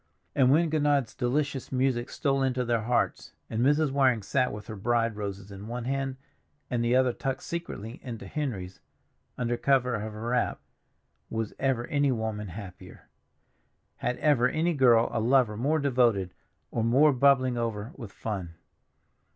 And when Gounod's delicious music stole into their hearts, and Mrs. Waring sat with her bride roses in one hand, and the other tucked secretly into Henry's, under cover of her wrap, was ever any woman happier? Had ever any girl a lover more devoted or more bubbling over with fun?